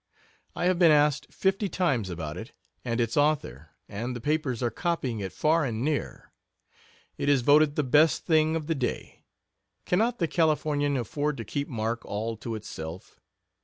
I have been asked fifty times about it and its author, and the papers are copying it far and near. It is voted the best thing of the day. Cannot the Californian afford to keep Mark all to itself?